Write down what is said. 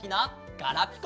ガラピコ！